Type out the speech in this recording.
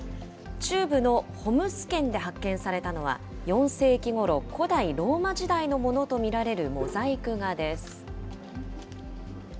中部のホムス県で発見されたのは、４世紀ごろ、古代ローマ時代のものと見られるモザイク画です。